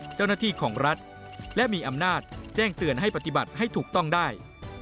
เจ้าหน้าที่ของรัฐและมีอำนาจแจ้งเตือนให้ปฏิบัติให้ถูกต้องได้